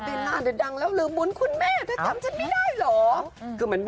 อะไรมันยิ่งใหญ่ในใจเรา